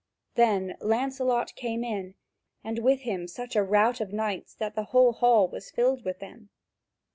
Then Lancelot came in, and with him such a rout of knights that the whole hall was filled with them.